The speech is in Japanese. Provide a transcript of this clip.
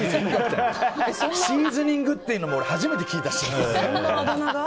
シーズニングっていうのも初めて聞いたし。